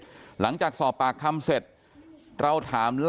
นางนาคะนี่คือยายน้องจีน่าคุณยายถ้าแท้เลย